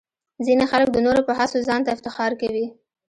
ځینې خلک د نورو په هڅو ځان ته افتخار کوي.